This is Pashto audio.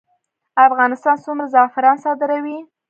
افغانستان څومره زعفران صادروي؟